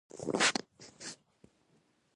د ګمرکونو عواید په شفافه توګه راټولیږي.